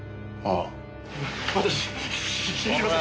あ？